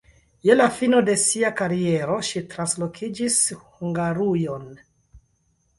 Je la fino de sia kariero ŝi translokiĝis Hungarujon.